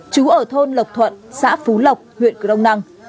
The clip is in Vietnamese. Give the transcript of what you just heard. chú ở thôn lộc thuận xã phú lộc huyện cứu đông năng